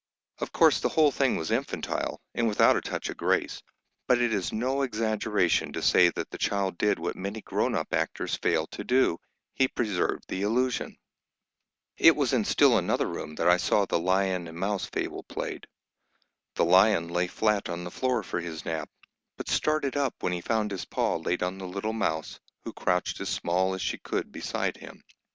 Of course the whole thing was infantile, and without a touch of grace; but it is no exaggeration to say that the child did what many grown up actors fail to do, he preserved the illusion. It was in still another room that I saw the lion and mouse fable played. The lion lay flat on the floor for his nap, but started up when he found his paw laid on the little mouse, who crouched as small as she could beside him.